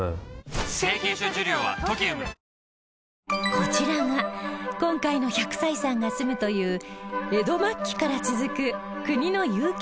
こちらが今回の１００歳さんが住むという江戸末期から続く国の有形